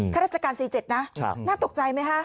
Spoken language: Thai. ข้าราชการ๔๗นะน่าตกใจไหมฮะ